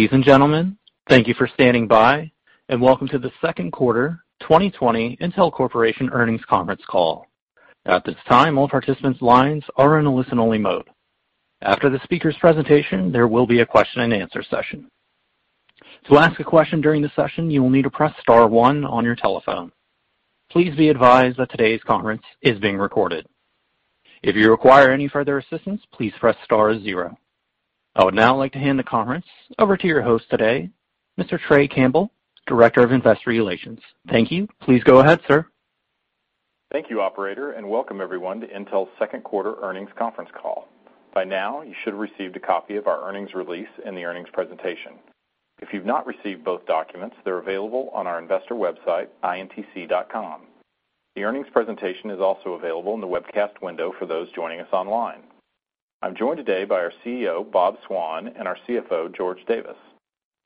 Ladies and gentlemen, thank you for standing by, and welcome to the second quarter 2020 Intel Corporation earnings conference call. At this time, all participants' lines are in a listen-only mode. After the speaker's presentation, there will be a question-and-answer session. To ask a question during the session, you will need to press star one on your telephone. Please be advised that today's conference is being recorded. If you require any further assistance, please press star zero. I would now like to hand the conference over to your host today, Mr. Trey Campbell, Director of Investor Relations. Thank you. Please go ahead, sir. Thank you, operator, and welcome everyone to Intel's second quarter earnings conference call. By now, you should have received a copy of our earnings release and the earnings presentation. If you've not received both documents, they're available on our investor website, intc.com. The earnings presentation is also available in the webcast window for those joining us online. I'm joined today by our CEO, Bob Swan, and our CFO, George Davis.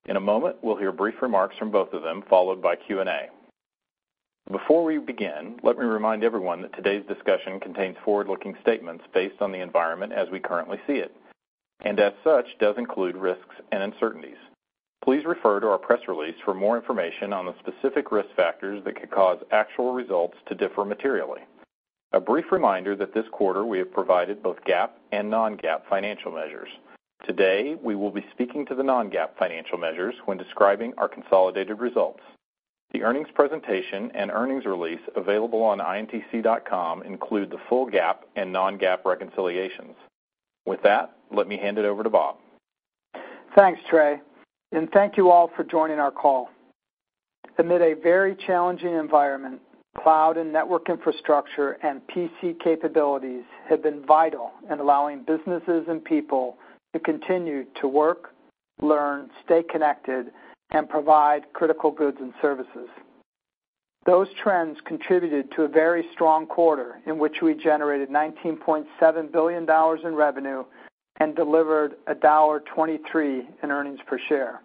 In a moment, we'll hear brief remarks from both of them, followed by Q&A. Before we begin, let me remind everyone that today's discussion contains forward-looking statements based on the environment as we currently see it, and as such, does include risks and uncertainties. Please refer to our press release for more information on the specific risk factors that could cause actual results to differ materially. A brief reminder that this quarter, we have provided both GAAP and non-GAAP financial measures. Today, we will be speaking to the non-GAAP financial measures when describing our consolidated results. The earnings presentation and earnings release available on intc.com include the full GAAP and non-GAAP reconciliations. With that, let me hand it over to Bob. Thanks, Trey, and thank you all for joining our call. Amid a very challenging environment, cloud and network infrastructure and PC capabilities have been vital in allowing businesses and people to continue to work, learn, stay connected, and provide critical goods and services. Those trends contributed to a very strong quarter in which we generated $19.7 billion in revenue and delivered $1.23 in earnings per share.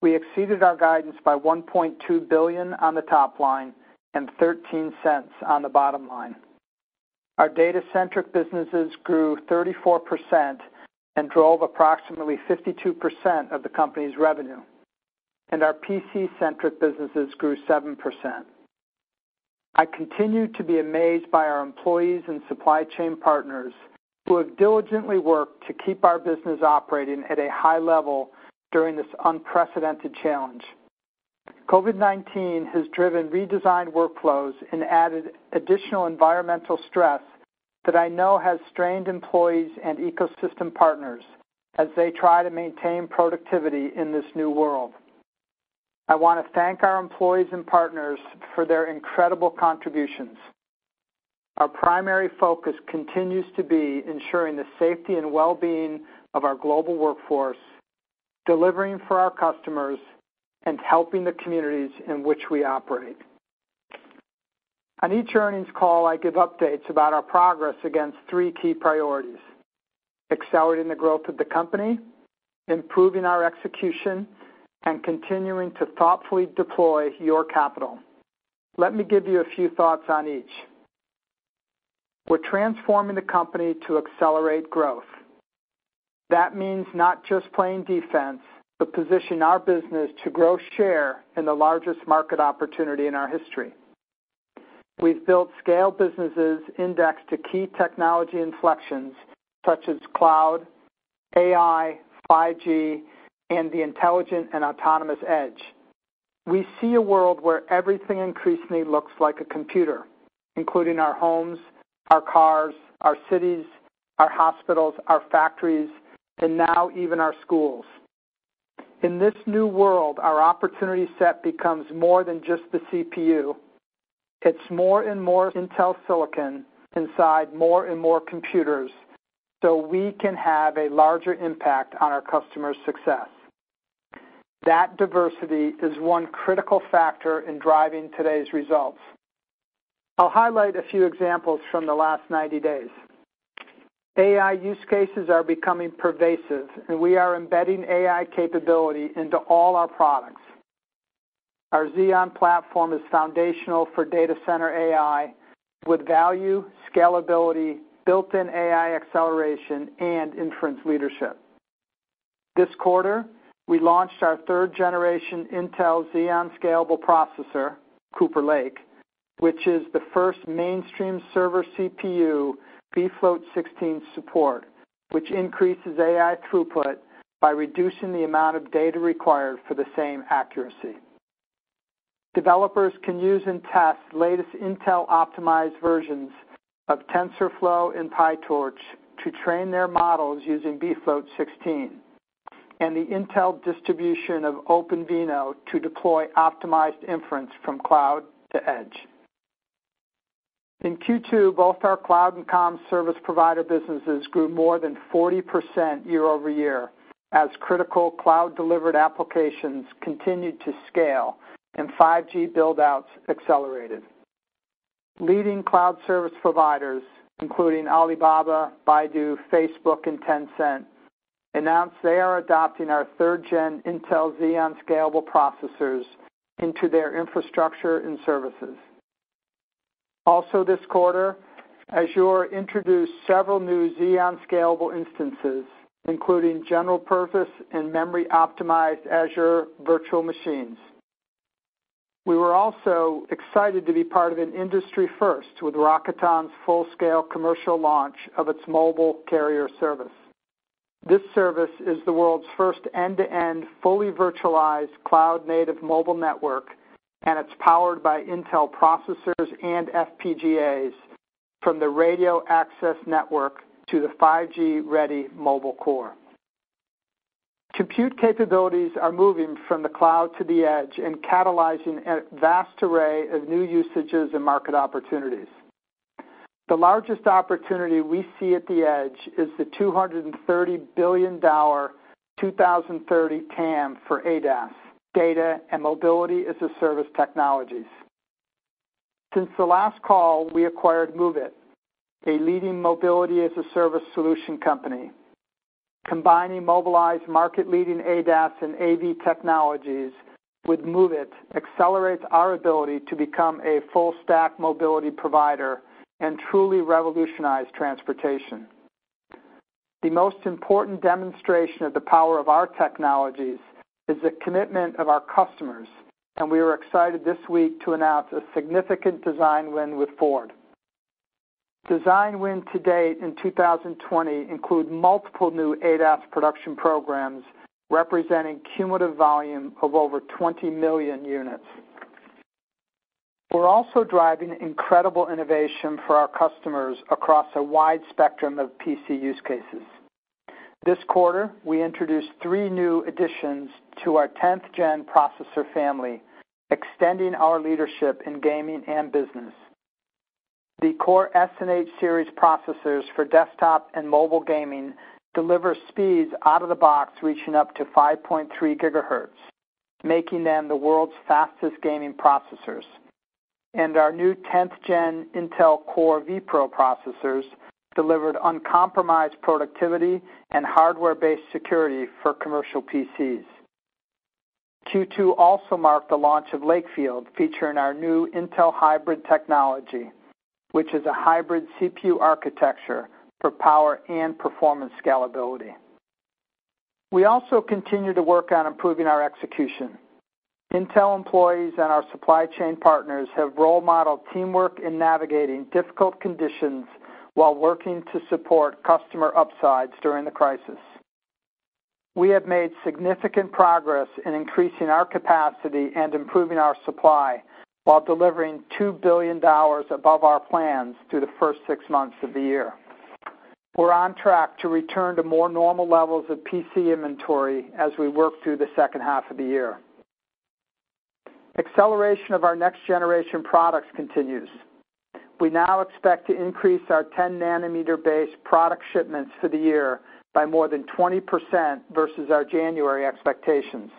We exceeded our guidance by $1.2 billion on the top line and $0.13 on the bottom line. Our data-centric businesses grew 34% and drove approximately 52% of the company's revenue, and our PC-centric businesses grew 7%. I continue to be amazed by our employees and supply chain partners who have diligently worked to keep our business operating at a high level during this unprecedented challenge. COVID-19 has driven redesigned workflows and added additional environmental stress that I know has strained employees and ecosystem partners as they try to maintain productivity in this new world. I want to thank our employees and partners for their incredible contributions. Our primary focus continues to be ensuring the safety and well-being of our global workforce, delivering for our customers, and helping the communities in which we operate. On each earnings call, I give updates about our progress against three key priorities: accelerating the growth of the company, improving our execution, and continuing to thoughtfully deploy your capital. Let me give you a few thoughts on each. We're transforming the company to accelerate growth. That means not just playing defense, but positioning our business to grow share in the largest market opportunity in our history. We've built scale businesses indexed to key technology inflections such as cloud, AI, 5G, and the intelligent and autonomous edge. We see a world where everything increasingly looks like a computer, including our homes, our cars, our cities, our hospitals, our factories, and now even our schools. In this new world, our opportunity set becomes more than just the CPU. It's more and more Intel silicon inside more and more computers so we can have a larger impact on our customers' success. That diversity is one critical factor in driving today's results. I'll highlight a few examples from the last 90 days. AI use cases are becoming pervasive, and we are embedding AI capability into all our products. Our Xeon platform is foundational for data center AI with value, scalability, built-in AI acceleration, and inference leadership. This quarter, we launched our third generation Intel Xeon Scalable processor, Cooper Lake, which is the first mainstream server CPU bfloat16 support, which increases AI throughput by reducing the amount of data required for the same accuracy. Developers can use and test latest Intel-optimized versions of TensorFlow and PyTorch to train their models using bfloat16, and the Intel distribution of OpenVINO to deploy optimized inference from cloud to edge. In Q2, both our cloud and comm service provider businesses grew more than 40% year-over-year as critical cloud-delivered applications continued to scale and 5G build-outs accelerated. Leading cloud service providers, including Alibaba, Baidu, Facebook, and Tencent, announced they are adopting our third-gen Intel Xeon Scalable processors into their infrastructure and services. Also this quarter, Azure introduced several new Xeon Scalable instances, including general purpose and memory-optimized Azure virtual machines. We were also excited to be part of an industry first with Rakuten's full-scale commercial launch of its mobile carrier service. This service is the world's first end-to-end, fully virtualized cloud-native mobile network, and it's powered by Intel processors and FPGAs from the radio access network to the 5G-ready mobile core. Compute capabilities are moving from the cloud to the edge and catalyzing a vast array of new usages and market opportunities. The largest opportunity we see at the edge is the $230 billion 2030 TAM for ADAS, data, and mobility-as-a-service technologies. Since the last call, we acquired Moovit, a leading mobility-as-a-service solution company. Combining Mobileye's market-leading ADAS and AV technologies with Moovit accelerates our ability to become a full-stack mobility provider and truly revolutionize transportation. The most important demonstration of the power of our technologies is the commitment of our customers, and we are excited this week to announce a significant design win with Ford. Design wins to date in 2020 include multiple new ADAS production programs, representing cumulative volume of over 20 million units. We're also driving incredible innovation for our customers across a wide spectrum of PC use cases. This quarter, we introduced three new additions to our 10th-gen processor family, extending our leadership in gaming and business. The Core S and H series processors for desktop and mobile gaming deliver speeds out of the box reaching up to 5.3 GHz, making them the world's fastest gaming processors. Our new 10th-gen Intel Core vPro processors delivered uncompromised productivity and hardware-based security for commercial PCs. Q2 also marked the launch of Lakefield, featuring our new Intel hybrid technology, which is a hybrid CPU architecture for power and performance scalability. We also continue to work on improving our execution. Intel employees and our supply chain partners have role-modeled teamwork in navigating difficult conditions while working to support customer upsides during the crisis. We have made significant progress in increasing our capacity and improving our supply while delivering $2 billion above our plans through the first six months of the year. We're on track to return to more normal levels of PC inventory as we work through the second half of the year. Acceleration of our next-generation products continues. We now expect to increase our 10 nm base product shipments for the year by more than 20% versus our January expectations.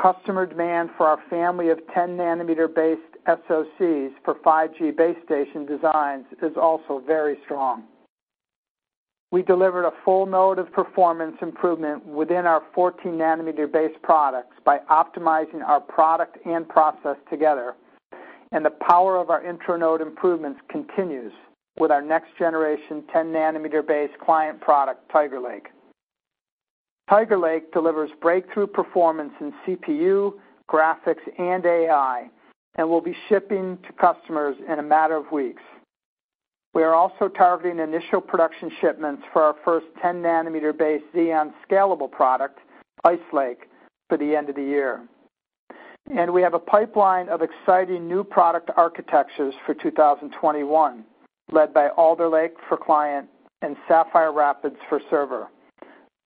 Customer demand for our family of 10 nm-based SOCs for 5G base station designs is also very strong. We delivered a full node of performance improvement within our 14 nm base products by optimizing our product and process together. The power of our intra-node improvements continues with our next generation 10 nm base client product, Tiger Lake. Tiger Lake delivers breakthrough performance in CPU, graphics, and AI, and will be shipping to customers in a matter of weeks. We are also targeting initial production shipments for our first 10 nm base Xeon Scalable product, Ice Lake, for the end of the year. We have a pipeline of exciting new product architectures for 2021, led by Alder Lake for client and Sapphire Rapids for server.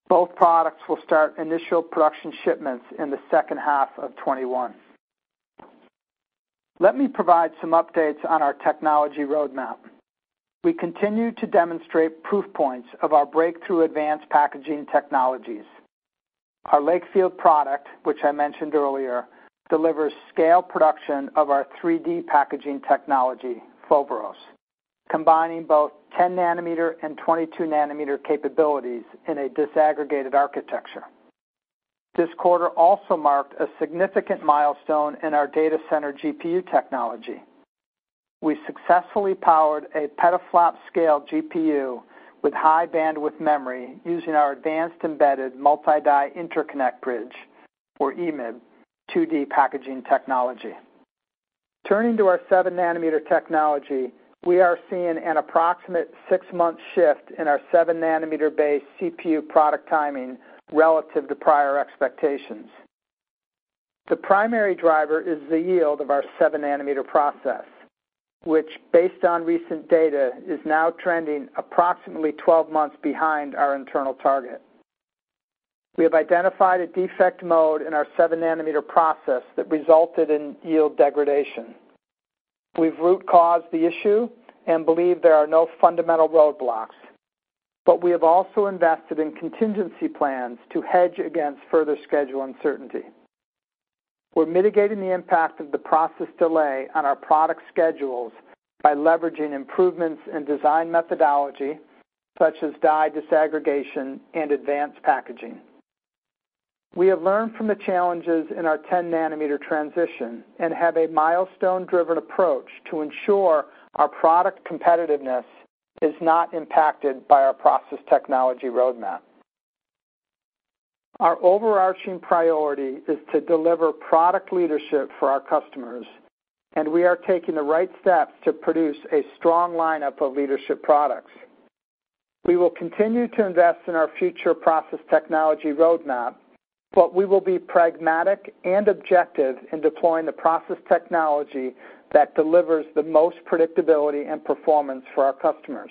Both products will start initial production shipments in the second half of 2021. Let me provide some updates on our technology roadmap. We continue to demonstrate proof points of our breakthrough advanced packaging technologies. Our Lakefield product, which I mentioned earlier, delivers scale production of our 3D packaging technology, Foveros, combining both 10 nm and 22 nm capabilities in a disaggregated architecture. This quarter also marked a significant milestone in our data center GPU technology. We successfully powered a petaflop-scale GPU with high-bandwidth memory using our advanced embedded multi-die interconnect bridge, or EMIB 2D packaging technology. Turning to our 7 nm technology, we are seeing an approximate six-month shift in our 7 nm base CPU product timing relative to prior expectations. The primary driver is the yield of our 7 nm process, which based on recent data, is now trending approximately 12 months behind our internal target. We have identified a defect mode in our 7 nm process that resulted in yield degradation. We've root caused the issue and believe there are no fundamental roadblocks, but we have also invested in contingency plans to hedge against further schedule uncertainty. We're mitigating the impact of the process delay on our product schedules by leveraging improvements in design methodology such as die disaggregation and advanced packaging. We have learned from the challenges in our 10 nm transition and have a milestone-driven approach to ensure our product competitiveness is not impacted by our process technology roadmap. Our overarching priority is to deliver product leadership for our customers, and we are taking the right steps to produce a strong lineup of leadership products. We will continue to invest in our future process technology roadmap, but we will be pragmatic and objective in deploying the process technology that delivers the most predictability and performance for our customers,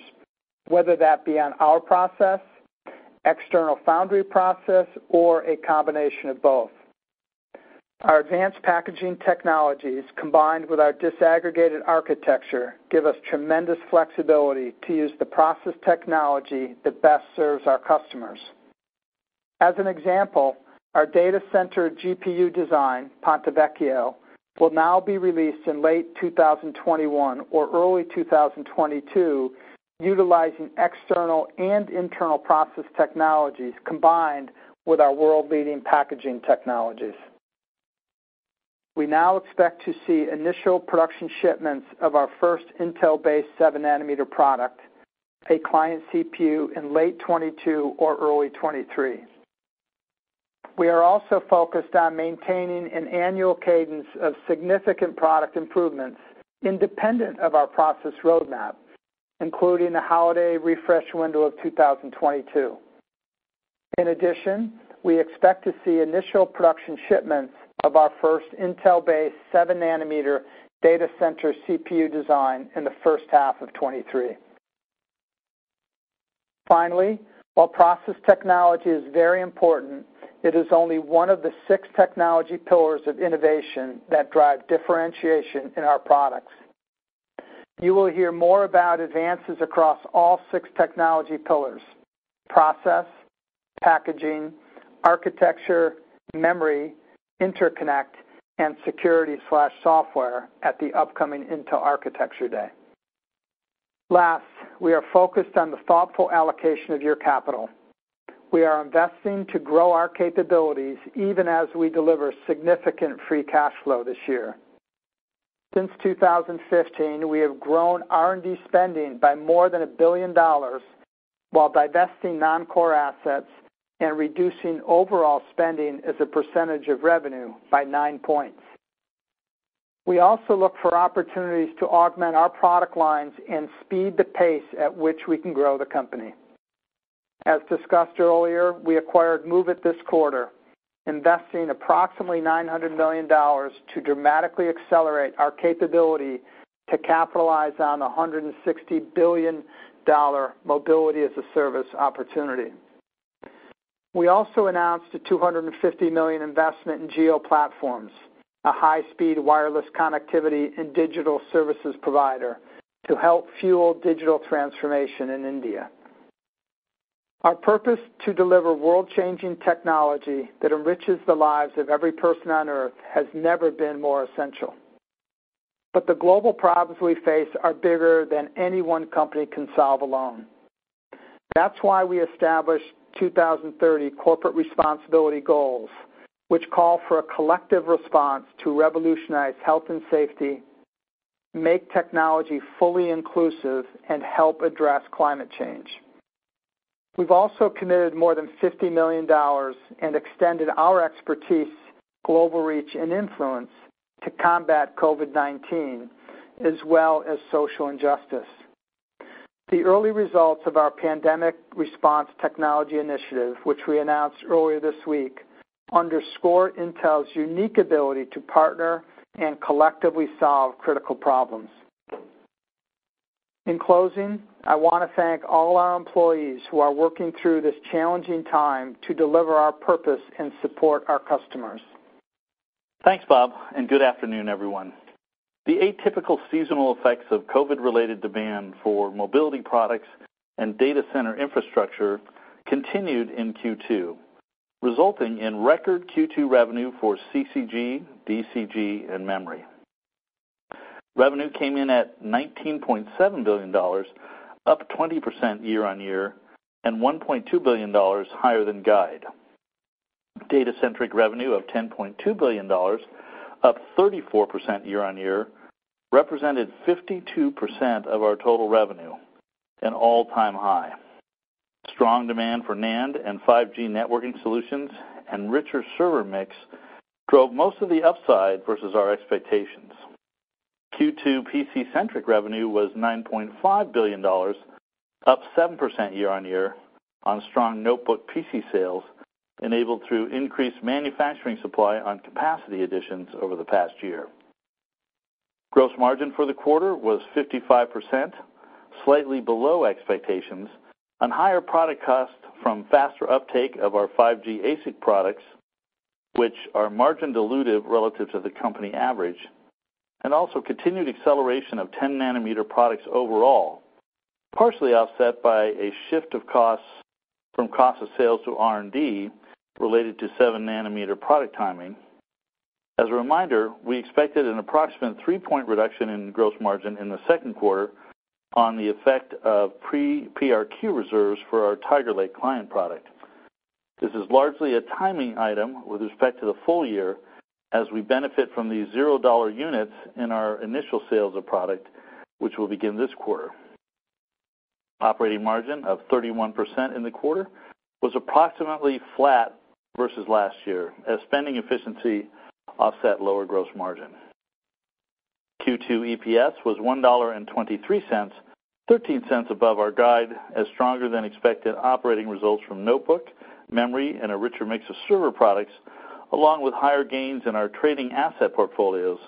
whether that be on our process, external foundry process, or a combination of both. Our advanced packaging technologies, combined with our disaggregated architecture, give us tremendous flexibility to use the process technology that best serves our customers. As an example, our data center GPU design, Ponte Vecchio, will now be released in late 2021 or early 2022, utilizing external and internal process technologies combined with our world-leading packaging technologies. We now expect to see initial production shipments of our first Intel-based 7 nm product, a client CPU, in late 2022 or early 2023. We are also focused on maintaining an annual cadence of significant product improvements independent of our process roadmap, including the holiday refresh window of 2022. In addition, we expect to see initial production shipments of our first Intel-based 7 nm data center CPU design in the first half of 2023. Finally, while process technology is very important, it is only one of the six technology pillars of innovation that drive differentiation in our products. You will hear more about advances across all six technology pillars: process, packaging, architecture, memory, interconnect, and security/software at the upcoming Intel Architecture Day. Last, we are focused on the thoughtful allocation of your capital. We are investing to grow our capabilities even as we deliver significant free cash flow this year. Since 2015, we have grown R&D spending by more than a billion dollars while divesting non-core assets and reducing overall spending as a percentage of revenue by nine points. We also look for opportunities to augment our product lines and speed the pace at which we can grow the company. As discussed earlier, we acquired Moovit this quarter, investing approximately $900 million to dramatically accelerate our capability to capitalize on the $160 billion mobility-as-a-service opportunity. We also announced a $250 million investment in Jio Platforms, a high-speed wireless connectivity and digital services provider to help fuel digital transformation in India. Our purpose to deliver world-changing technology that enriches the lives of every person on Earth has never been more essential. The global problems we face are bigger than any one company can solve alone. That's why we established 2030 corporate responsibility goals, which call for a collective response to revolutionize health and safety, make technology fully inclusive, and help address climate change. We've also committed more than $50 million and extended our expertise, global reach, and influence to combat COVID-19 as well as social injustice. The early results of our Pandemic Response Technology Initiative, which we announced earlier this week, underscore Intel's unique ability to partner and collectively solve critical problems. In closing, I want to thank all our employees who are working through this challenging time to deliver our purpose and support our customers. Thanks, Bob, and good afternoon, everyone. The atypical seasonal effects of COVID-related demand for mobility products and data center infrastructure continued in Q2, resulting in record Q2 revenue for CCG, DCG, and Memory. Revenue came in at $19.7 billion, up 20% year-on-year, and $1.2 billion higher than guide. Data-centric revenue of $10.2 billion, up 34% year-on-year, represented 52% of our total revenue, an all-time high. Strong demand for NAND and 5G networking solutions and richer server mix drove most of the upside versus our expectations. Q2 PC-centric revenue was $9.5 billion, up 7% year-on-year on strong notebook PC sales, enabled through increased manufacturing supply on capacity additions over the past year. Gross margin for the quarter was 55%, slightly below expectations, on higher product costs from faster uptake of our 5G ASIC products, which are margin dilutive relative to the company average, and also continued acceleration of 10 nm products overall, partially offset by a shift of costs from cost of sales to R&D related to 7 nm product timing. As a reminder, we expected an approximate three-point reduction in gross margin in the second quarter on the effect of pre-PRQ reserves for our Tiger Lake client product. This is largely a timing item with respect to the full year as we benefit from these zero-dollar units in our initial sales of product, which will begin this quarter. Operating margin of 31% in the quarter was approximately flat versus last year as spending efficiency offset lower gross margin. Q2 EPS was $1.23, $0.13 above our guide as stronger-than-expected operating results from notebook, memory, and a richer mix of server products, along with higher gains in our trading asset portfolios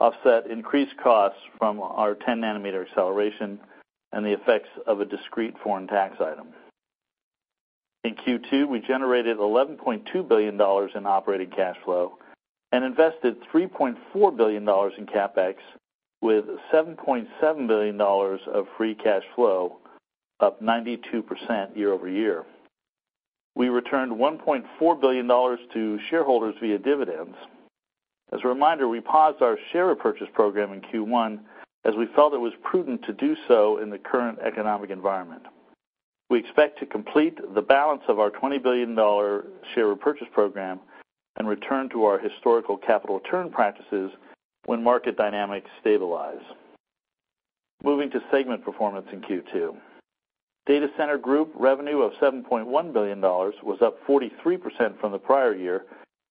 offset increased costs from our 10 nm acceleration and the effects of a discrete foreign tax item. In Q2, we generated $11.2 billion in operating cash flow and invested $3.4 billion in CapEx with $7.7 billion of free cash flow, up 92% year-over-year. We returned $1.4 billion to shareholders via dividends. As a reminder, we paused our share repurchase program in Q1 as we felt it was prudent to do so in the current economic environment. We expect to complete the balance of our $20 billion share repurchase program and return to our historical capital return practices when market dynamics stabilize. Moving to segment performance in Q2. Data Center Group revenue of $7.1 billion was up 43% from the prior year,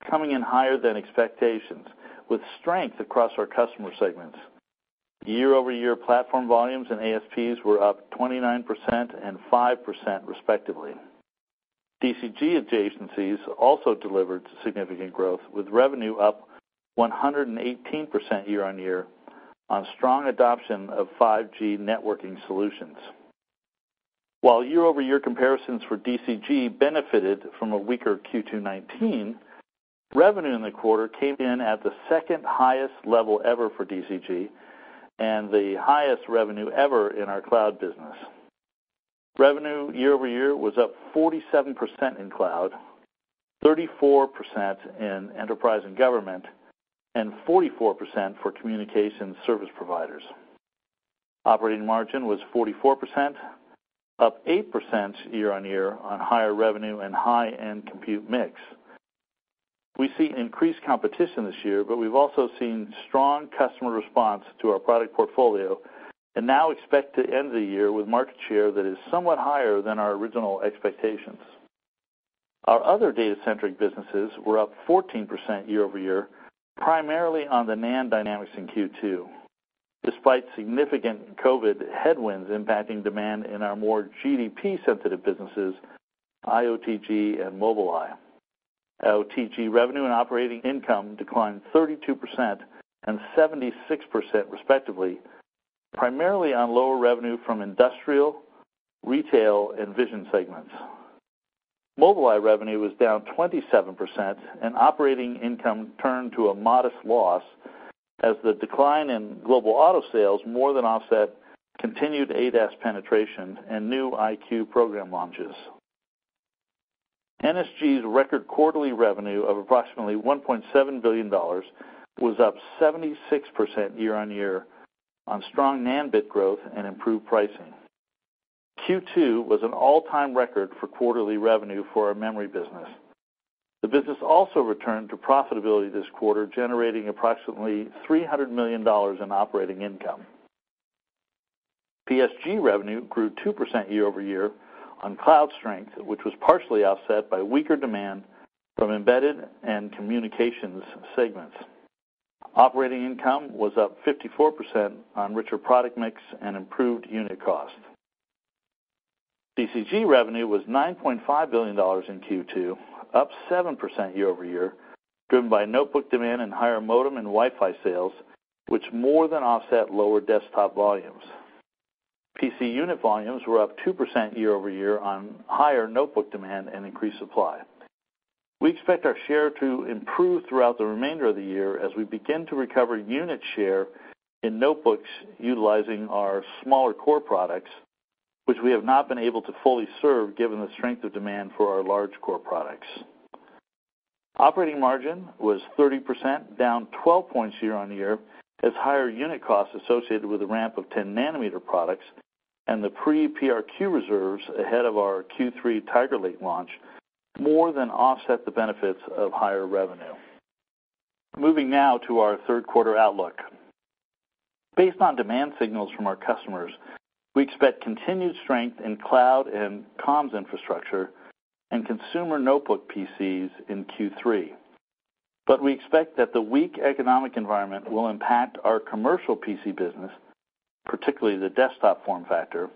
coming in higher than expectations, with strength across our customer segments. Year-over-year platform volumes and ASPs were up 29% and 5% respectively. DCG adjacencies also delivered significant growth, with revenue up 118% year-on-year on strong adoption of 5G networking solutions. While year-over-year comparisons for DCG benefited from a weaker Q2 2019, revenue in the quarter came in at the second highest level ever for DCG and the highest revenue ever in our cloud business. Revenue year-over-year was up 47% in cloud, 34% in enterprise and government, and 44% for communication service providers. Operating margin was 44%, up 8% year-on-year on higher revenue and high-end compute mix. We see increased competition this year, but we've also seen strong customer response to our product portfolio and now expect to end the year with market share that is somewhat higher than our original expectations. Our other data-centric businesses were up 14% year-over-year, primarily on the NAND dynamics in Q2. Despite significant COVID headwinds impacting demand in our more GDP-sensitive businesses, IOTG and Mobileye, IOTG revenue and operating income declined 32% and 76% respectively, primarily on lower revenue from industrial, retail, and vision segments. Mobileye revenue was down 27% and operating income turned to a modest loss as the decline in global auto sales more than offset continued ADAS penetration and new EyeQ program launches. NSG's record quarterly revenue of approximately $1.7 billion was up 76% year-on-year on strong NAND bit growth and improved pricing. Q2 was an all-time record for quarterly revenue for our memory business. The business also returned to profitability this quarter, generating approximately $300 million in operating income. PSG revenue grew 2% year-over-year on cloud strength, which was partially offset by weaker demand from embedded and communications segments. Operating income was up 54% on richer product mix and improved unit cost. DCG revenue was $9.5 billion in Q2, up 7% year-over-year, driven by notebook demand and higher modem and Wi-Fi sales, which more than offset lower desktop volumes. PC unit volumes were up 2% year-over-year on higher notebook demand and increased supply. We expect our share to improve throughout the remainder of the year as we begin to recover unit share in notebooks utilizing our smaller core products, which we have not been able to fully serve given the strength of demand for our large core products. Operating margin was 30%, down 12 points year-on-year as higher unit costs associated with the ramp of 10 nm products and the pre-PRQ reserves ahead of our Q3 Tiger Lake launch more than offset the benefits of higher revenue. Moving now to our third quarter outlook. Based on demand signals from our customers, we expect continued strength in cloud and comms infrastructure and consumer notebook PCs in Q3. We expect that the weak economic environment will impact our commercial PC business, particularly the desktop form factor,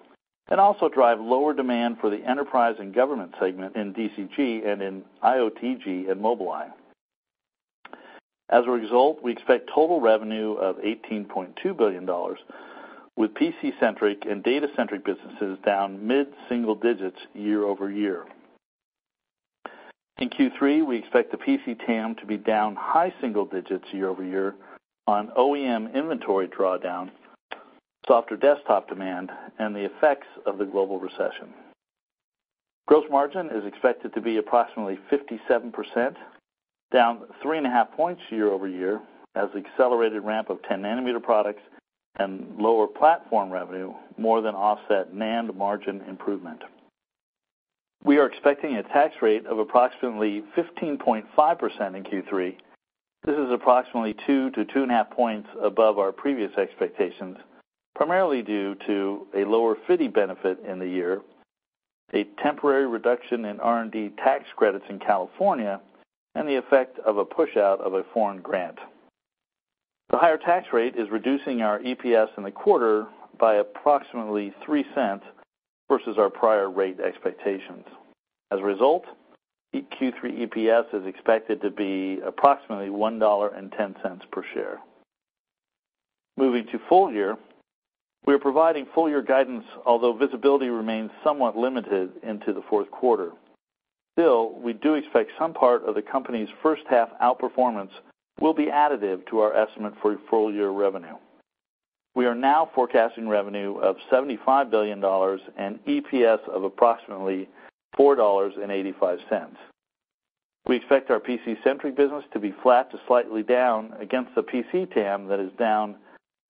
and also drive lower demand for the enterprise and government segment in DCG and in IOTG and Mobileye. As a result, we expect total revenue of $18.2 billion with PC-centric and data-centric businesses down mid-single digits year-over-year. In Q3, we expect the PC TAM to be down high single digits year-over-year on OEM inventory drawdown, softer desktop demand, and the effects of the global recession. Gross margin is expected to be approximately 57%, down 3.5 points year-over-year, as accelerated ramp of 10 nm products and lower platform revenue more than offset NAND margin improvement. We are expecting a tax rate of approximately 15.5% in Q3. This is approximately 2-2.5 points above our previous expectations, primarily due to a lower FDII benefit in the year, a temporary reduction in R&D tax credits in California, and the effect of a pushout of a foreign grant. The higher tax rate is reducing our EPS in the quarter by approximately $0.03 versus our prior rate expectations. As a result, Q3 EPS is expected to be approximately $1.10 per share. Moving to full year, we are providing full year guidance, although visibility remains somewhat limited into the fourth quarter. We do expect some part of the company's first half outperformance will be additive to our estimate for full year revenue. We are now forecasting revenue of $75 billion and EPS of approximately $4.85. We expect our PC-centric business to be flat to slightly down against the PC TAM that is down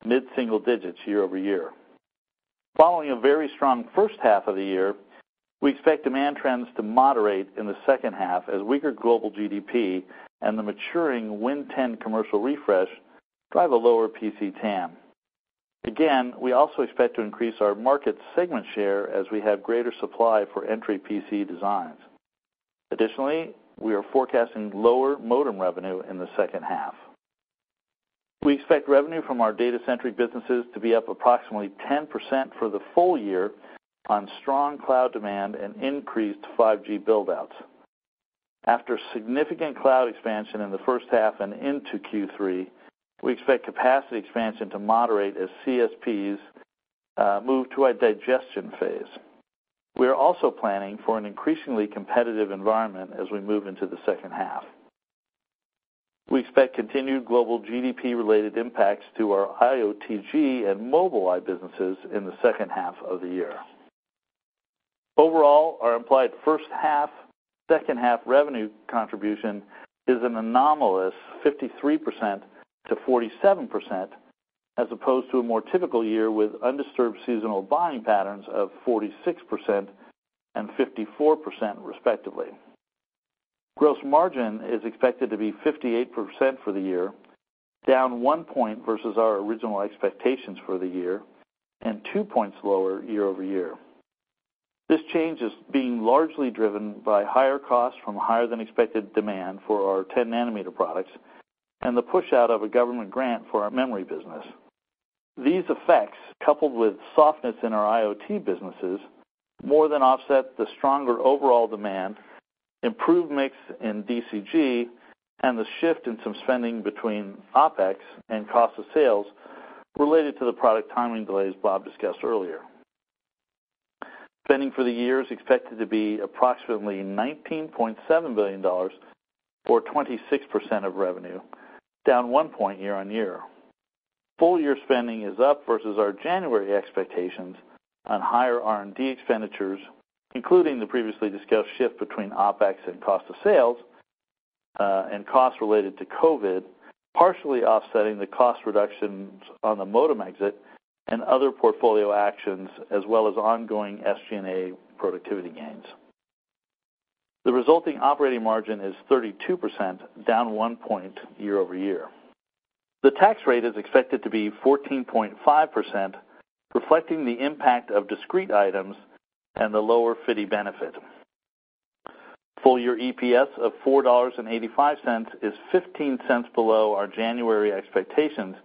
mid-single digits year-over-year. Following a very strong first half of the year, we expect demand trends to moderate in the second half as weaker global GDP and the maturing Windows 10 commercial refresh drive a lower PC TAM. We also expect to increase our market segment share as we have greater supply for entry PC designs. Additionally, we are forecasting lower modem revenue in the second half. We expect revenue from our data-centric businesses to be up approximately 10% for the full year on strong cloud demand and increased 5G build-outs. After significant cloud expansion in the first half and into Q3, we expect capacity expansion to moderate as CSPs move to a digestion phase. We are also planning for an increasingly competitive environment as we move into the second half. We expect continued global GDP-related impacts to our IOTG and Mobileye businesses in the second half of the year. Overall, our implied first half, second half revenue contribution is an anomalous 53%-47%, as opposed to a more typical year with undisturbed seasonal buying patterns of 46% and 54% respectively. Gross margin is expected to be 58% for the year, down one point versus our original expectations for the year, and two points lower year-over-year. This change is being largely driven by higher costs from higher than expected demand for our 10 nm products and the pushout of a government grant for our memory business. These effects, coupled with softness in our IoT businesses, more than offset the stronger overall demand, improved mix in DCG, and the shift in some spending between OpEx and cost of sales related to the product timing delays Bob discussed earlier. Spending for the year is expected to be approximately $19.7 billion, or 26% of revenue, down one point year-on-year. Full year spending is up versus our January expectations on higher R&D expenditures, including the previously discussed shift between OpEx and cost of sales, and costs related to COVID, partially offsetting the cost reductions on the modem exit and other portfolio actions, as well as ongoing SG&A productivity gains. The resulting operating margin is 32%, down one point year-over-year. The tax rate is expected to be 14.5%, reflecting the impact of discrete items and the lower FDII benefit. Full year EPS of $4.85 is $0.15 below our January expectations,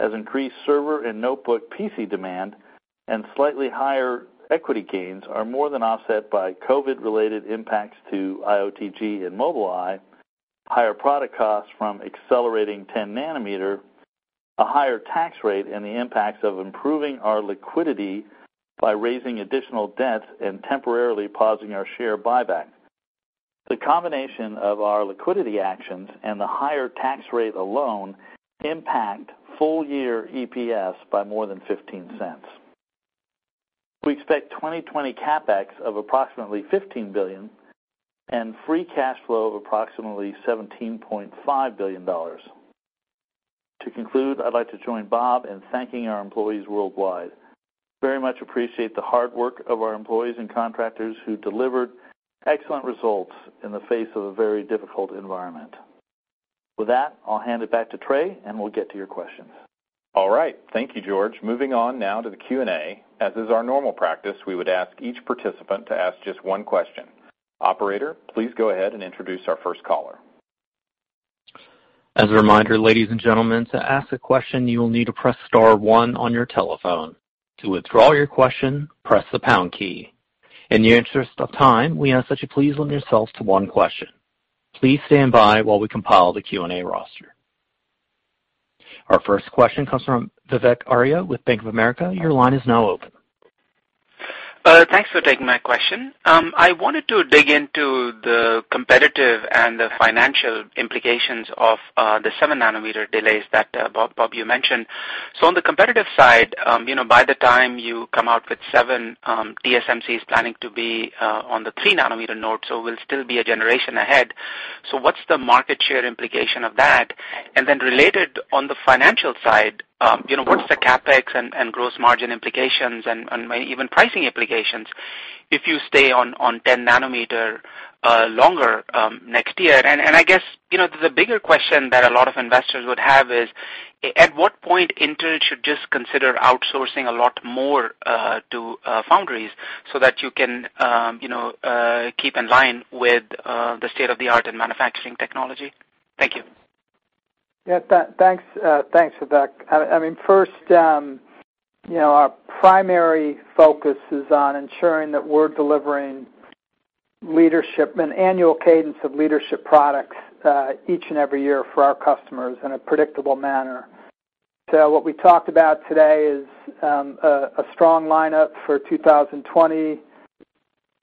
as increased server and notebook PC demand and slightly higher equity gains are more than offset by COVID-19-related impacts to IOTG and Mobileye, higher product costs from accelerating 10 nm, a higher tax rate, and the impacts of improving our liquidity by raising additional debt and temporarily pausing our share buyback. The combination of our liquidity actions and the higher tax rate alone impact full year EPS by more than $0.15. We expect 2020 CapEx of approximately $15 billion and free cash flow of approximately $17.5 billion. To conclude, I'd like to join Bob in thanking our employees worldwide. Very much appreciate the hard work of our employees and contractors who delivered excellent results in the face of a very difficult environment. With that, I'll hand it back to Trey, we'll get to your questions. All right. Thank you, George. Moving on now to the Q&A. As is our normal practice, we would ask each participant to ask just one question. Operator, please go ahead and introduce our first caller. As a reminder, ladies and gentlemen, to ask a question, you will need to press star one on your telephone. To withdraw your question, press the pound key. In the interest of time, we ask that you please limit yourselves to one question. Please stand by while we compile the Q&A roster. Our first question comes from Vivek Arya with Bank of America. Your line is now open. Thanks for taking my question. I wanted to dig into the competitive and the financial implications of the 7 nm delays that, Bob, you mentioned. On the competitive side, by the time you come out with 7 nm, TSMC is planning to be on the 3 nm node, so we'll still be a generation ahead. What's the market share implication of that? Then related on the financial side, what's the CapEx and gross margin implications and even pricing implications if you stay on 10 nm longer next year? I guess, there's a bigger question that a lot of investors would have is, at what point Intel should just consider outsourcing a lot more to foundries so that you can keep in line with the state-of-the-art in manufacturing technology? Thank you. Yeah. Thanks, Vivek. First, our primary focus is on ensuring that we're delivering an annual cadence of leadership products each and every year for our customers in a predictable manner. What we talked about today is a strong lineup for 2020,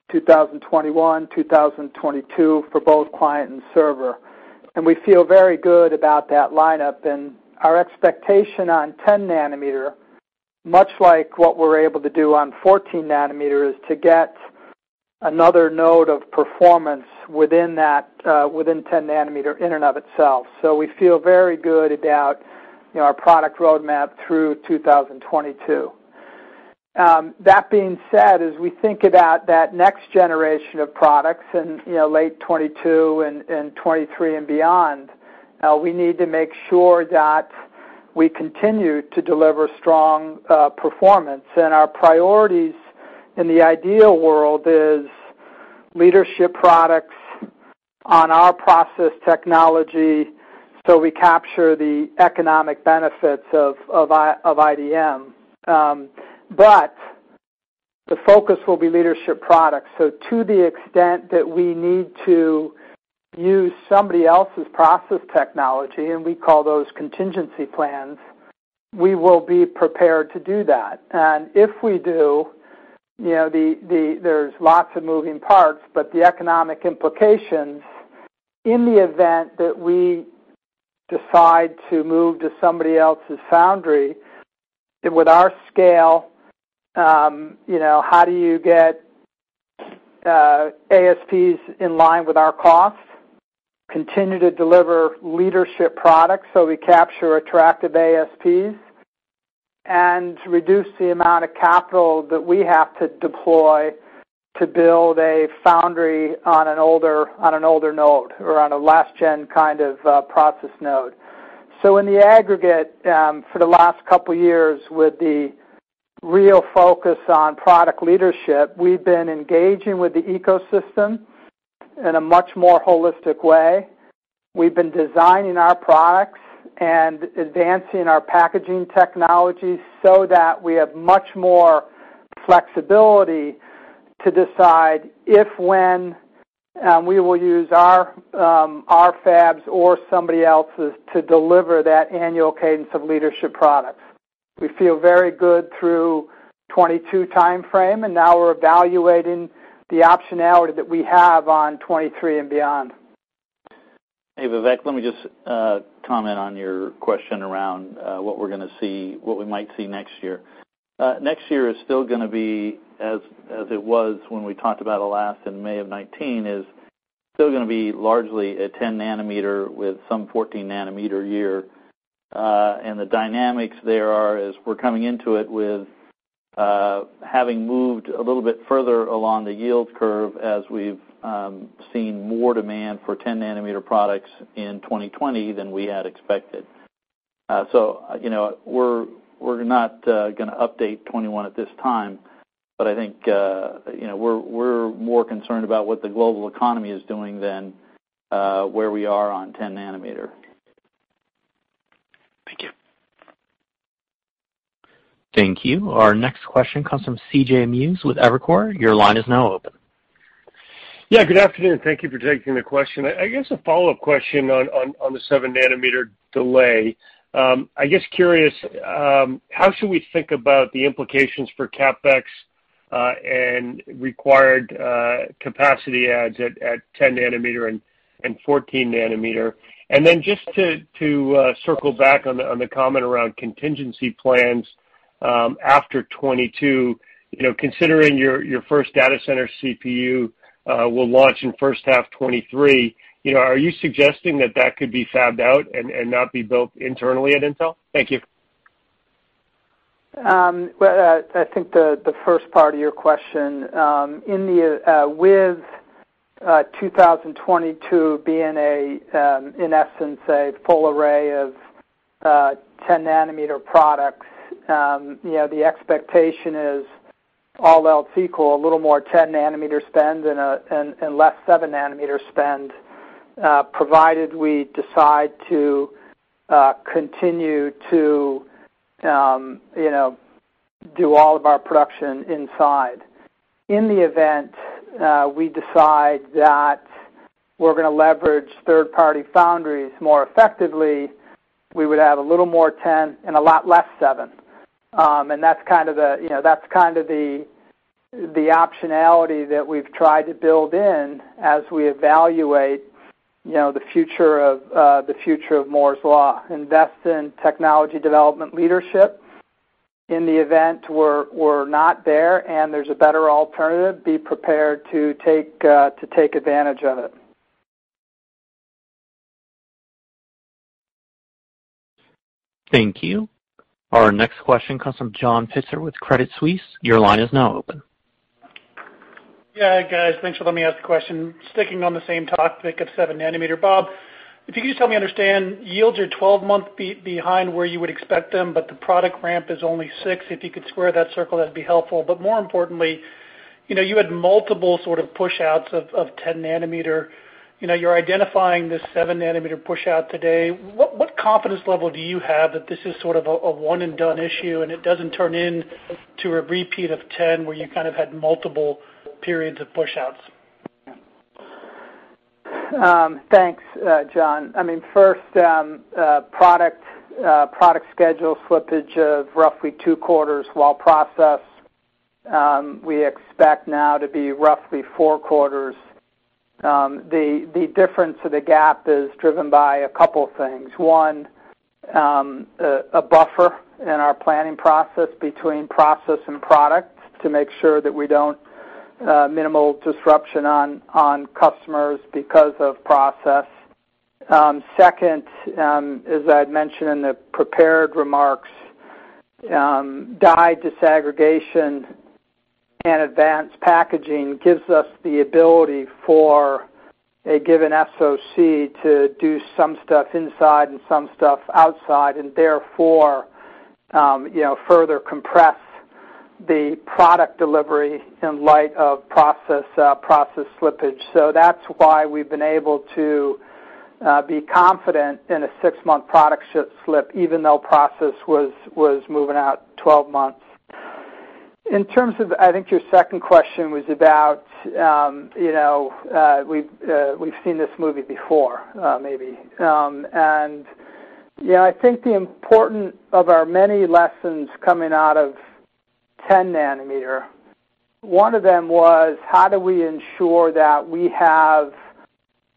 2021, 2022 for both client and server. We feel very good about that lineup and our expectation on 10 nm, much like what we're able to do on 14 nm, is to get another node of performance within 10 nm in and of itself. We feel very good about our product roadmap through 2022. That being said, as we think about that next generation of products in late 2022 and 2023 and beyond, we need to make sure that we continue to deliver strong performance. Our priorities in the ideal world is leadership products on our process technology, so we capture the economic benefits of IDM. The focus will be leadership products. To the extent that we need to use somebody else's process technology, and we call those contingency plans, we will be prepared to do that. If we do, there's lots of moving parts, but the economic implications in the event that we decide to move to somebody else's foundry, with our scale, how do you get ASPs in line with our costs, continue to deliver leadership products so we capture attractive ASPs, and reduce the amount of capital that we have to deploy to build a foundry on an older node or on a last gen process node. In the aggregate, for the last couple of years with the real focus on product leadership, we've been engaging with the ecosystem in a much more holistic way. We've been designing our products and advancing our packaging technologies so that we have much more flexibility to decide if, when we will use our fabs or somebody else's to deliver that annual cadence of leadership products. We feel very good through 2022 timeframe, and now we're evaluating the optionality that we have on 2023 and beyond. Hey, Vivek, let me just comment on your question around what we might see next year. Next year is still going to be as it was when we talked about it last in May of 2019, is still going to be largely a 10 nm with some 14 nm year. The dynamics there are, is we're coming into it with having moved a little bit further along the yield curve as we've seen more demand for 10 nm products in 2020 than we had expected. We're not going to update 2021 at this time, but I think we're more concerned about what the global economy is doing than where we are on 10 nm. Thank you. Thank you. Our next question comes from CJ Muse with Evercore. Your line is now open. Yeah, good afternoon. Thank you for taking the question. I guess a follow-up question on the 7 nm delay. I guess curious, how should we think about the implications for CapEx, and required capacity adds at 10 nm and 14 nm? Just to circle back on the comment around contingency plans after 2022, considering your first data center CPU will launch in first half 2023, are you suggesting that that could be fabbed out and not be built internally at Intel? Thank you. I think the first part of your question, with 2022 being, in essence, a full array of 10 nm products, the expectation is all else equal, a little more 10 nm spend and less 7 nm spend, provided we decide to continue to do all of our production inside. In the event we decide that we're going to leverage third-party foundries more effectively, we would have a little more 10 nm and a lot less 7 nm. That's kind of the optionality that we've tried to build in as we evaluate the future of Moore's Law, invest in technology development leadership in the event we're not there and there's a better alternative, be prepared to take advantage of it. Thank you. Our next question comes from John Pitzer with Credit Suisse. Your line is now open. Yeah, guys. Thanks for letting me ask a question. Sticking on the same topic of 7 nm. Bob, if you could just help me understand, yields are 12 months behind where you would expect them, but the product ramp is only six. If you could square that circle, that'd be helpful. More importantly, you had multiple sort of push-outs of 10 nm. You're identifying this 7 nm push-out today. What confidence level do you have that this is sort of a one and done issue and it doesn't turn into a repeat of 10 where you kind of had multiple periods of push-outs? Thanks, John. First, product schedule slippage of roughly two quarters while process, we expect now to be roughly four quarters. The difference or the gap is driven by a couple things. One, a buffer in our planning process between process and product to make sure that we don't minimal disruption on customers because of process. Second, as I had mentioned in the prepared remarks, die disaggregation and advanced packaging gives us the ability for a given SoC to do some stuff inside and some stuff outside. Therefore, further compress the product delivery in light of process slippage. That's why we've been able to be confident in a six-month product slip, even though process was moving out 12 months. I think your second question was about we've seen this movie before, maybe. Yeah, I think the important of our many lessons coming out of 10 nm, one of them was how do we ensure that we have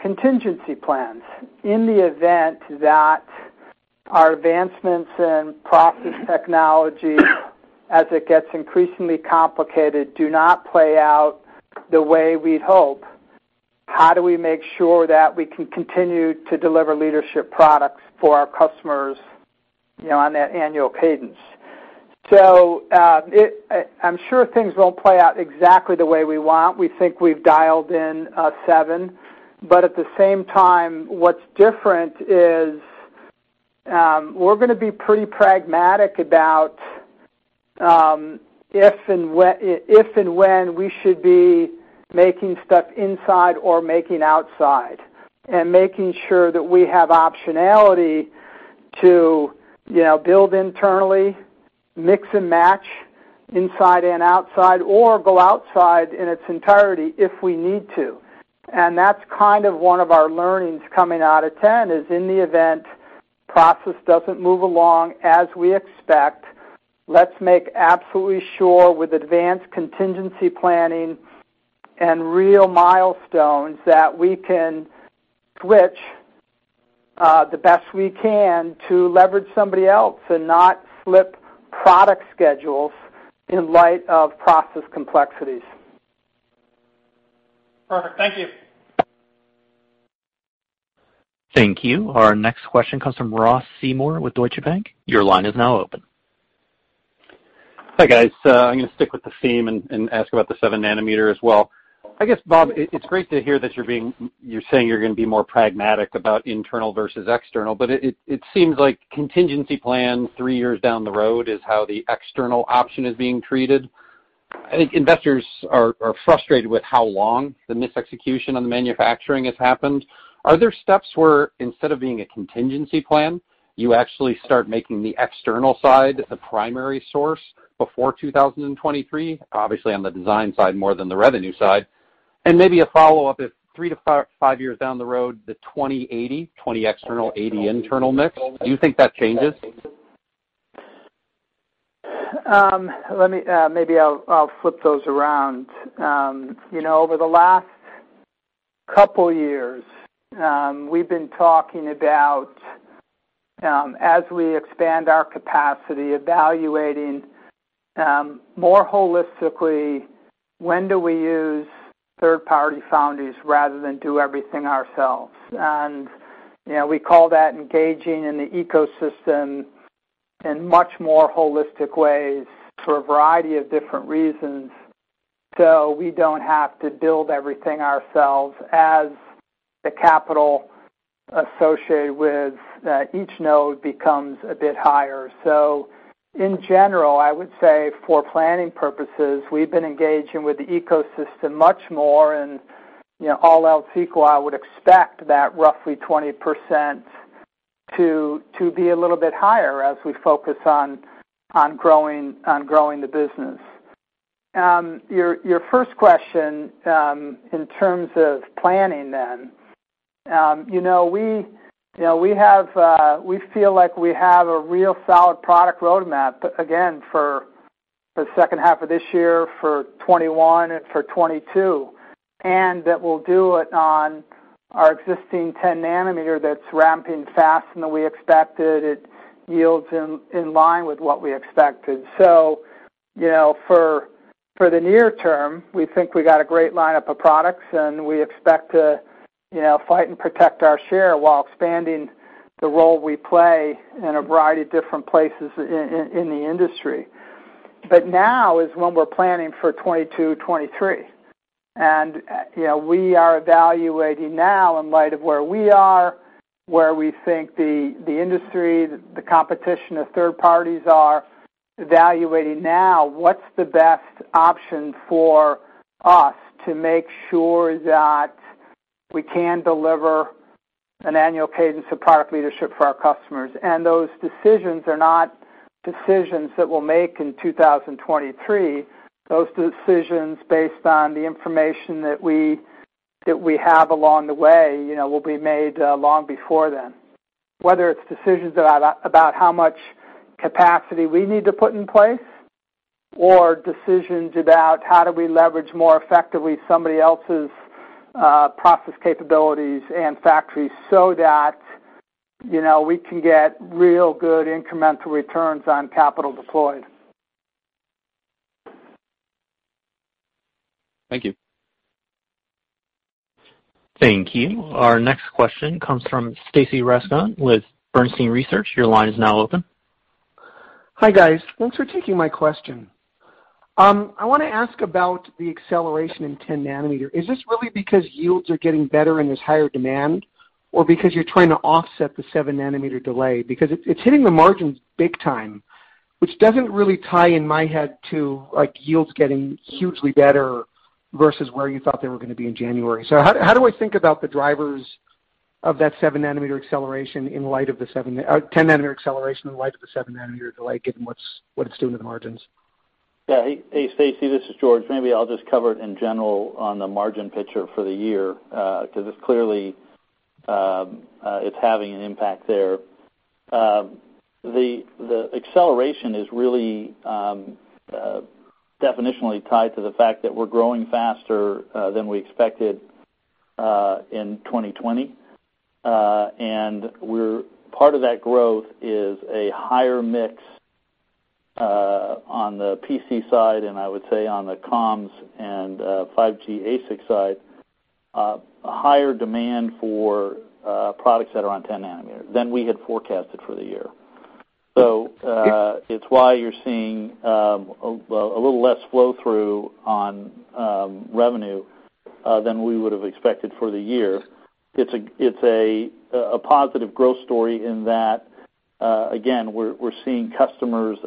contingency plans in the event that our advancements in process technology, as it gets increasingly complicated, do not play out the way we'd hope. How do we make sure that we can continue to deliver leadership products for our customers on that annual cadence? I'm sure things won't play out exactly the way we want. We think we've dialed in seven, at the same time, what's different is we're going to be pretty pragmatic about if and when we should be making stuff inside or making outside, and making sure that we have optionality to build internally, mix and match inside and outside, or go outside in its entirety if we need to. That's kind of one of our learnings coming out of 10 is in the event process doesn't move along as we expect, let's make absolutely sure with advanced contingency planning and real milestones that we can switch the best we can to leverage somebody else and not slip product schedules in light of process complexities. Perfect. Thank you. Thank you. Our next question comes from Ross Seymore with Deutsche Bank. Your line is now open. Hi, guys. I'm going to stick with the theme and ask about the 7 nm as well. I guess, Bob, it's great to hear that you're saying you're going to be more pragmatic about internal versus external, but it seems like contingency plan three years down the road is how the external option is being treated. I think investors are frustrated with how long the misexecution on the manufacturing has happened. Are there steps where instead of being a contingency plan, you actually start making the external side the primary source before 2023? Obviously, on the design side more than the revenue side. Maybe a follow-up, if three to five years down the road, the 20/80, 20 external, 80 internal mix, do you think that changes? Maybe I'll flip those around. Over the last couple years, we've been talking about as we expand our capacity, evaluating more holistically, when do we use third-party foundries rather than do everything ourselves? We call that engaging in the ecosystem in much more holistic ways for a variety of different reasons. We don't have to build everything ourselves as the capital associated with each node becomes a bit higher. In general, I would say for planning purposes, we've been engaging with the ecosystem much more and all else equal, I would expect that roughly 20% to be a little bit higher as we focus on growing the business. Your first question in terms of planning then. We feel like we have a real solid product roadmap, again, for the second half of this year, for 2021, and for 2022, and that we'll do it on our existing 10 nm that's ramping faster than we expected. It yields in line with what we expected. For the near term, we think we got a great lineup of products, and we expect to fight and protect our share while expanding the role we play in a variety of different places in the industry. Now is when we're planning for 2022, 2023. We are evaluating now in light of where we are, where we think the industry, the competition of third parties are, evaluating now what's the best option for us to make sure that we can deliver an annual cadence of product leadership for our customers. Those decisions are not decisions that we'll make in 2023. Those decisions based on the information that we have along the way will be made long before then. Whether it's decisions about how much capacity we need to put in place or decisions about how do we leverage more effectively somebody else's process capabilities and factories so that we can get real good incremental returns on capital deployed. Thank you. Thank you. Our next question comes from Stacy Rasgon with Bernstein Research. Your line is now open. Hi, guys. Thanks for taking my question. I want to ask about the acceleration in 10 nm. Is this really because yields are getting better and there's higher demand, or because you're trying to offset the 7 nm delay? It's hitting the margins big time, which doesn't really tie in my head to yields getting hugely better versus where you thought they were going to be in January. How do I think about the drivers of that 10 nm acceleration in light of the 7 nm delay, given what it's doing to the margins? Yeah. Hey, Stacy, this is George. Maybe I'll just cover it in general on the margin picture for the year, because it's clearly having an impact there. The acceleration is really definitionally tied to the fact that we're growing faster than we expected in 2020. Part of that growth is a higher mix on the PC side, and I would say on the comms and 5G ASIC side, a higher demand for products that are on 10 nm than we had forecasted for the year. It's why you're seeing a little less flow-through on revenue than we would have expected for the year. It's a positive growth story in that again, we're seeing customers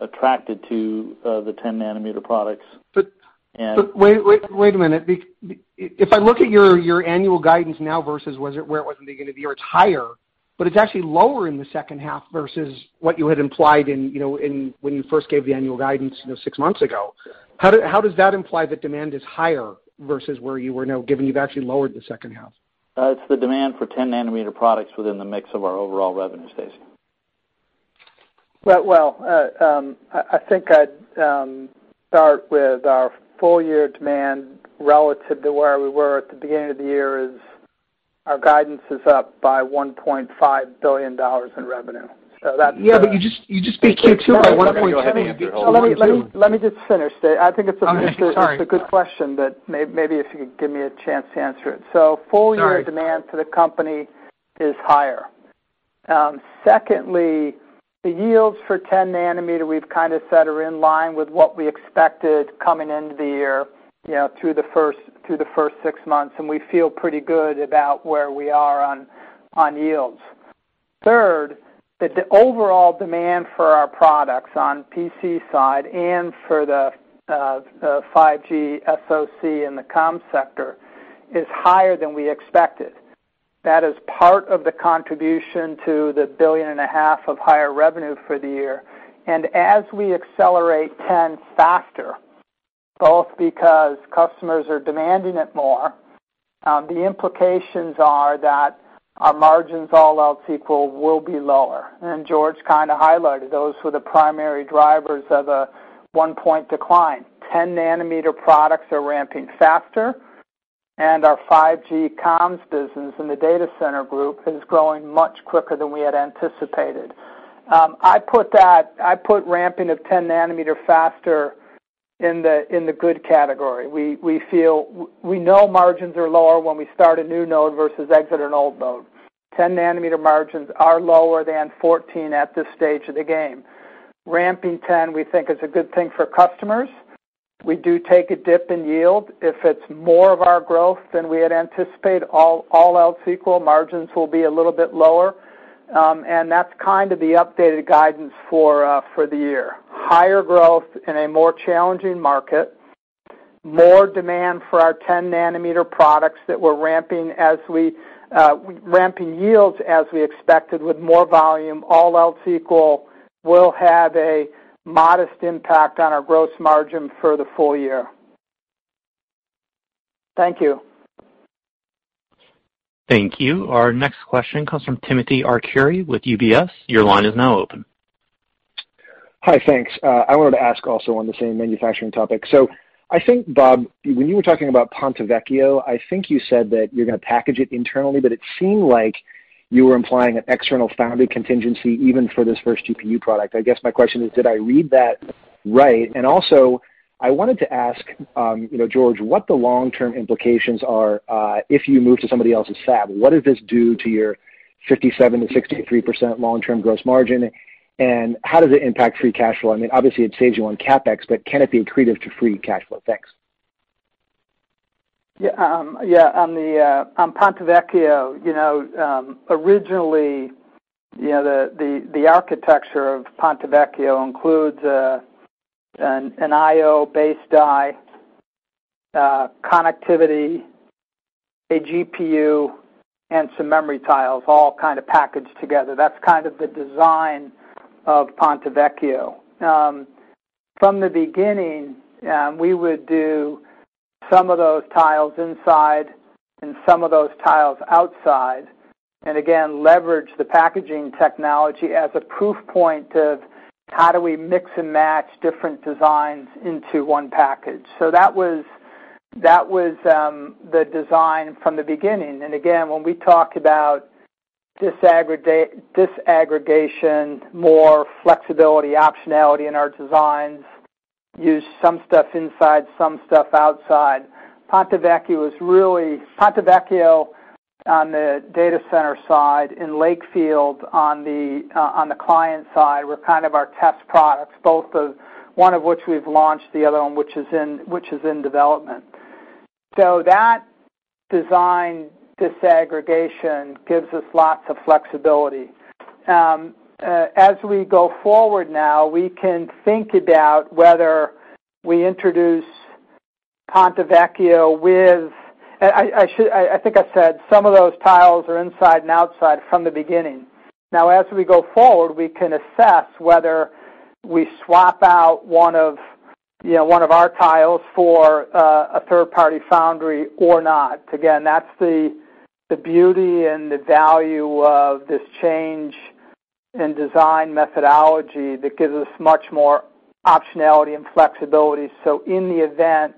attracted to the 10 nm products. Wait a minute. If I look at your annual guidance now versus where it was at the beginning of the year, it's higher, but it's actually lower in the second half versus what you had implied when you first gave the annual guidance six months ago. How does that imply that demand is higher versus where you were now, given you've actually lowered the second half? It's the demand for 10 nm products within the mix of our overall revenue, Stacy. I think I'd start with our full-year demand relative to where we were at the beginning of the year is our guidance is up by $1.5 billion in revenue. Yeah, you just beat Q2 by $1.7 billion. George, I'm going to go ahead and answer it. Hold one second. Let me just finish, Stacy. Oh, sorry. It's a good question, but maybe if you could give me a chance to answer it. Sorry. Full-year demand for the company is higher. Secondly, the yields for 10 nm, we've kind of said are in line with what we expected coming into the year through the first six months, and we feel pretty good about where we are on yields. Third, the overall demand for our products on PC side and for the 5G SoC in the comms sector is higher than we expected. That is part of the contribution to the $1.5 billion of higher revenue for the year. And as we accelerate 10 faster, both because customers are demanding it more, the implications are that our margins, all else equal, will be lower. George kind of highlighted those were the primary drivers of a one-point decline. 10 nm products are ramping faster, and our 5G comms business in the Data Center Group is growing much quicker than we had anticipated. I put ramping of 10 nm faster in the good category. We know margins are lower when we start a new node versus exit an old node. 10 nm margins are lower than 14 at this stage of the game. Ramping 10 we think is a good thing for customers. We do take a dip in yield. If it's more of our growth than we had anticipated, all else equal, margins will be a little bit lower. That's kind of the updated guidance for the year. Higher growth in a more challenging market. More demand for our 10 nm products that we're ramping yields as we expected with more volume, all else equal, will have a modest impact on our gross margin for the full year. Thank you. Thank you. Our next question comes from Timothy Arcuri with UBS. Your line is now open. Hi, thanks. I wanted to ask also on the same manufacturing topic. I think, Bob, when you were talking about Ponte Vecchio, I think you said that you're going to package it internally, but it seemed like you were implying an external foundry contingency even for this first GPU product. I guess my question is, did I read that right? Also, I wanted to ask, George, what the long-term implications are if you move to somebody else's fab. What does this do to your 57%-63% long-term gross margin, and how does it impact free cash flow? I mean, obviously it saves you on CapEx, but can it be accretive to free cash flow? Thanks. Yeah. On Ponte Vecchio, originally, the architecture of Ponte Vecchio includes an I/O-based die connectivity, a GPU, and some memory tiles all kind of packaged together. That's kind of the design of Ponte Vecchio. From the beginning, we would do some of those tiles inside and some of those tiles outside, and again, leverage the packaging technology as a proof point of how do we mix and match different designs into one package. That was the design from the beginning. Again, when we talk about disaggregation, more flexibility, optionality in our designs, use some stuff inside, some stuff outside. Ponte Vecchio on the data center side and Lakefield on the client side were kind of our test products, both of one of which we've launched, the other one which is in development. That design disaggregation gives us lots of flexibility. As we go forward now, we can think about whether we introduce Ponte Vecchio I think I said some of those tiles are inside and outside from the beginning. As we go forward, we can assess whether we swap out one of our tiles for a third-party foundry or not. Again, that's the beauty and the value of this change in design methodology that gives us much more optionality and flexibility. In the event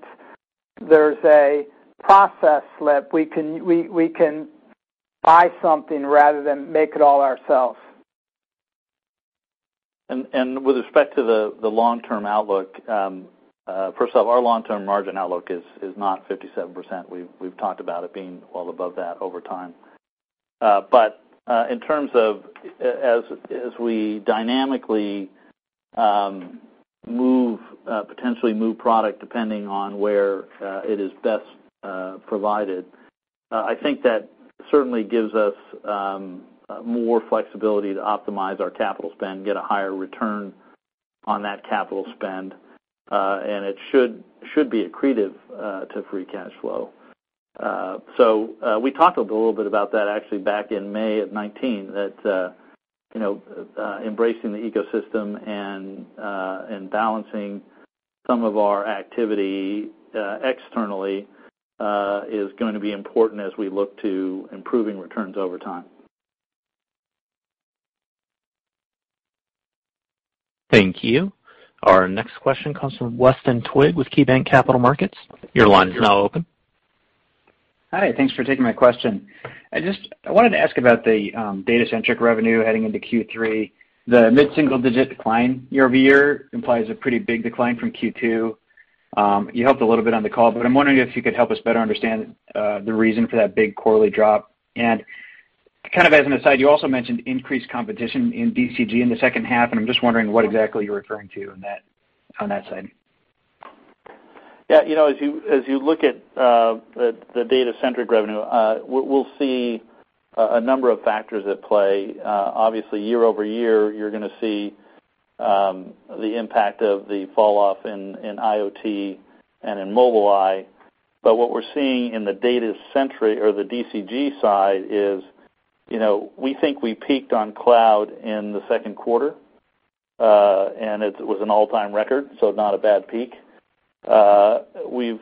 there's a process slip, we can buy something rather than make it all ourselves. With respect to the long-term outlook, first of all, our long-term margin outlook is not 57%. We've talked about it being well above that over time. In terms of as we dynamically potentially move product depending on where it is best provided, I think that certainly gives us more flexibility to optimize our capital spend, get a higher return on that capital spend, and it should be accretive to free cash flow. We talked a little bit about that actually back in May of 2019, that embracing the ecosystem and balancing some of our activity externally is going to be important as we look to improving returns over time. Thank you. Our next question comes from Weston Twigg with KeyBanc Capital Markets. Your line is now open. Hi, thanks for taking my question. I wanted to ask about the data-centric revenue heading into Q3. The mid-single-digit decline year-over-year implies a pretty big decline from Q2. You helped a little bit on the call, but I'm wondering if you could help us better understand the reason for that big quarterly drop. Kind of as an aside, you also mentioned increased competition in DCG in the second half, and I'm just wondering what exactly you're referring to on that side. Yeah. As you look at the data-centric revenue, we'll see a number of factors at play. Obviously, year-over-year, you're going to see the impact of the fall off in IoT and in Mobileye. What we're seeing in the DCG side is we think we peaked on cloud in the second quarter, and it was an all-time record, so not a bad peak. We've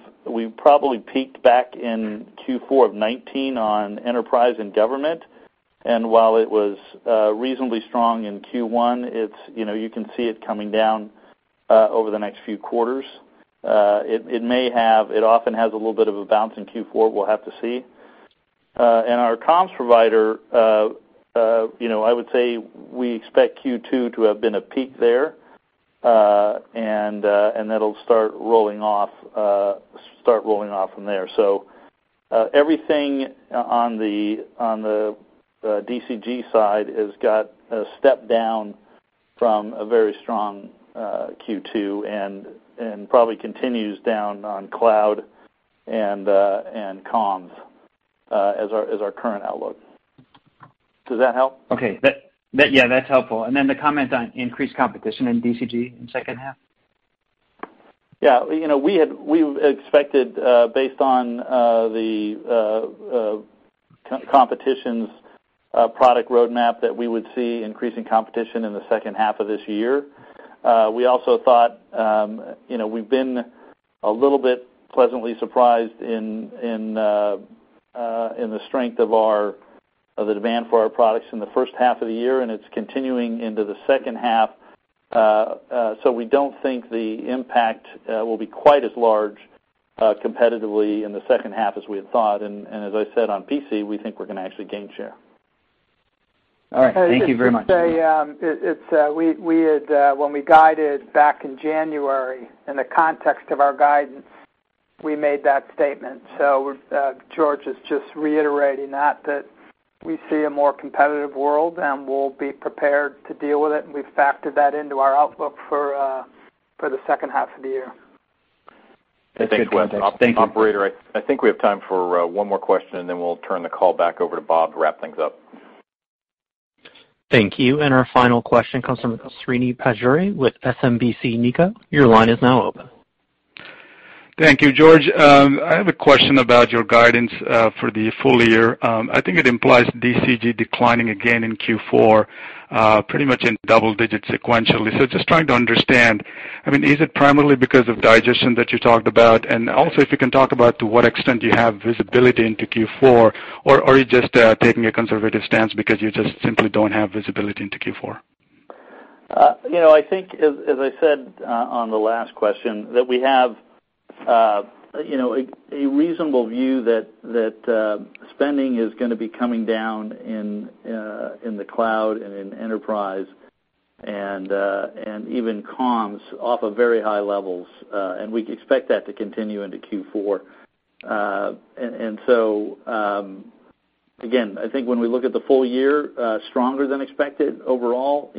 probably peaked back in Q4 of 2019 on enterprise and government, and while it was reasonably strong in Q1, you can see it coming down over the next few quarters. It often has a little bit of a bounce in Q4, we'll have to see. Our comms provider, I would say we expect Q2 to have been a peak there, and that'll start rolling off from there. Everything on the DCG side has got a step down from a very strong Q2 and probably continues down on cloud and comms as our current outlook. Does that help? Okay. Yeah, that's helpful. The comment on increased competition in DCG in second half? Yeah. We expected, based on the competition's product roadmap, that we would see increasing competition in the second half of this year. We also thought, we've been a little bit pleasantly surprised in the strength of the demand for our products in the first half of the year, and it's continuing into the second half. We don't think the impact will be quite as large competitively in the second half as we had thought. As I said, on PC, we think we're going to actually gain share. All right. Thank you very much. I'll just say, when we guided back in January, in the context of our guidance, we made that statement. George is just reiterating that we see a more competitive world, and we'll be prepared to deal with it, and we've factored that into our outlook for the second half of the year. That's good context. Thank you. Operator, I think we have time for one more question, and then we'll turn the call back over to Bob to wrap things up. Thank you. Our final question comes from Srini Pajjuri with SMBC Nikko. Your line is now open. Thank you, George. I have a question about your guidance for the full year. I think it implies DCG declining again in Q4, pretty much in double digits sequentially. Just trying to understand, is it primarily because of digestion that you talked about? Also, if you can talk about to what extent you have visibility into Q4, or are you just taking a conservative stance because you just simply don't have visibility into Q4? I think, as I said on the last question, that we have a reasonable view that spending is going to be coming down in the cloud and in enterprise and even comms off of very high levels, and we expect that to continue into Q4. Again, I think when we look at the full year, stronger than expected overall,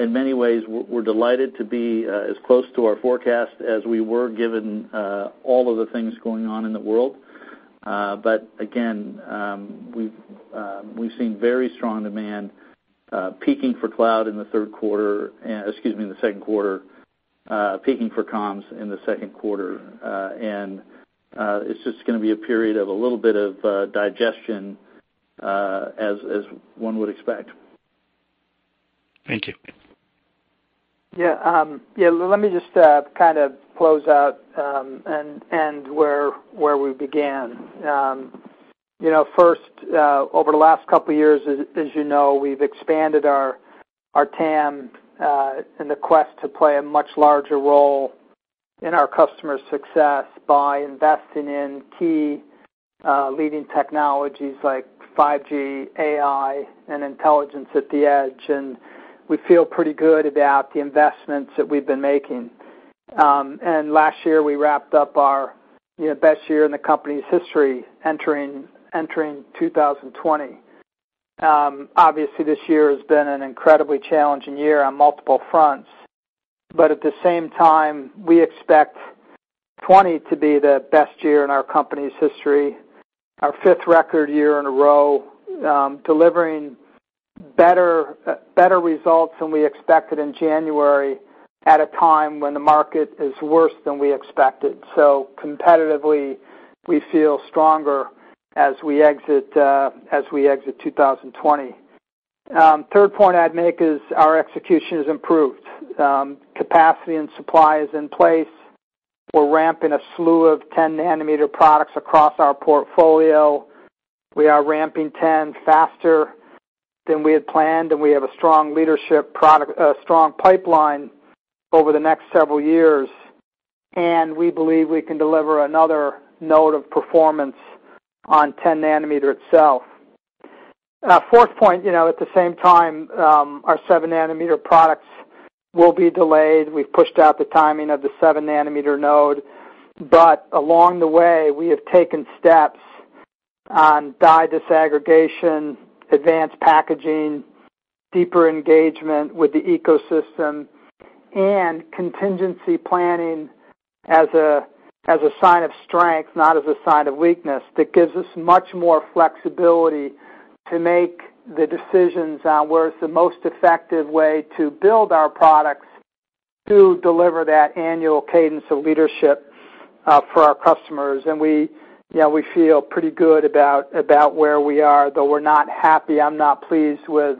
in many ways, we're delighted to be as close to our forecast as we were, given all of the things going on in the world. Again, we've seen very strong demand peaking for cloud in the third quarter, excuse me, in the second quarter, peaking for comms in the second quarter. It's just going to be a period of a little bit of digestion as one would expect. Thank you. Yeah. Let me just close out and end where we began. First, over the last couple of years, as you know, we've expanded our TAM in the quest to play a much larger role in our customers' success by investing in key leading technologies like 5G, AI, and intelligence at the edge. We feel pretty good about the investments that we've been making. Last year, we wrapped up our best year in the company's history entering 2020. Obviously, this year has been an incredibly challenging year on multiple fronts. At the same time, we expect 2020 to be the best year in our company's history, our fifth record year in a row, delivering better results than we expected in January at a time when the market is worse than we expected. Competitively, we feel stronger as we exit 2020. Third point I'd make is our execution has improved. Capacity and supply is in place. We're ramping a slew of 10 nm products across our portfolio. We are ramping 10 faster than we had planned, and we have a strong pipeline over the next several years, and we believe we can deliver another node of performance on 10 nm itself. Fourth point, at the same time, our 7 nm products will be delayed. We've pushed out the timing of the 7 nm node. Along the way, we have taken steps on die disaggregation, advanced packaging, deeper engagement with the ecosystem, and contingency planning as a sign of strength, not as a sign of weakness, that gives us much more flexibility to make the decisions on where it's the most effective way to build our products to deliver that annual cadence of leadership for our customers. We feel pretty good about where we are, though we're not happy. I'm not pleased with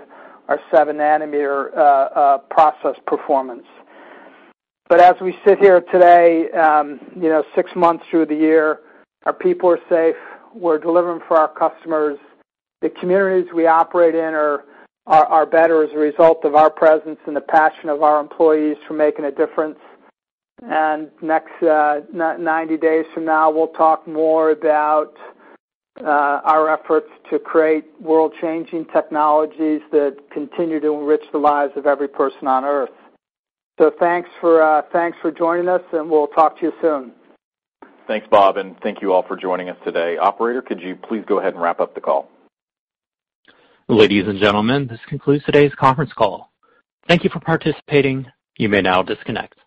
our 7 nm process performance. As we sit here today, six months through the year, our people are safe. We're delivering for our customers. The communities we operate in are better as a result of our presence and the passion of our employees for making a difference. 90 days from now, we'll talk more about our efforts to create world-changing technologies that continue to enrich the lives of every person on Earth. Thanks for joining us, and we'll talk to you soon. Thanks, Bob, and thank you all for joining us today. Operator, could you please go ahead and wrap up the call? Ladies and gentlemen, this concludes today's conference call. Thank you for participating. You may now disconnect.